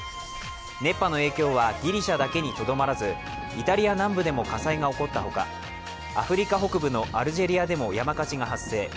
熱波の影響はギリシャだけにとどまらず、イタリア南部でも火災が起こったほか、アフリカ北部のアルジェリアでも山火事が発生。